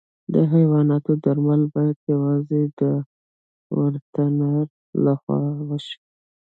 د حیواناتو درملنه باید یوازې د وترنر له خوا وشي.